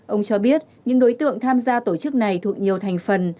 ông cho biết những đối tượng tham gia tổ chức này thuộc nhiều thành phần